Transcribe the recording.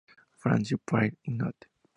Fancy Prairie No.